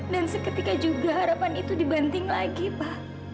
dan seketika juga harapan itu dibanting lagi pa